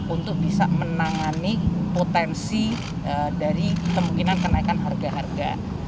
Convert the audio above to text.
untuk bisa menangani potensi dari kemungkinan kenaikan harga harga